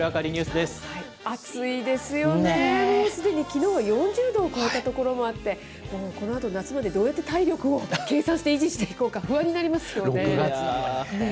暑いですよね、もうすでにきのうは４０度を超えた所もあって、このあと、夏までどうやって体力を計算して維持していこうか、不安になりま６月なのにね。